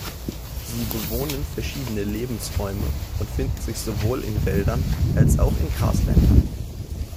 Sie bewohnen verschiedene Lebensräume und finden sich sowohl in Wäldern als auch in Grasländern.